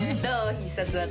必殺技。